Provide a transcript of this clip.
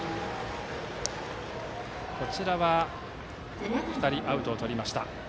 こちらは２人アウトをとりました。